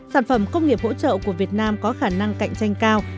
sản phẩm công nghiệp hỗ trợ của việt nam có khả năng cạnh tranh cao